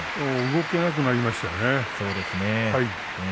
動けなくなりましたね。